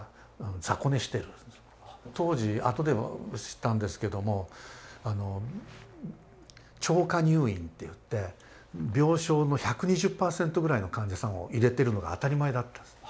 当時あとで知ったんですけども「超過入院」っていって病床の１２０％ぐらいの患者さんを入れているのが当たり前だったんです。